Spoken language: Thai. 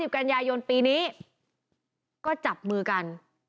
กันยายนปีนี้ก็จับมือกัน